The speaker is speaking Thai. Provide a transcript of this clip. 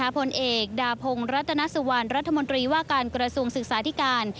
ผลเอกดาพงศ์รัตนสุวรรณรัฐมนตรีว่าการกระทรวงศึกษาธิการ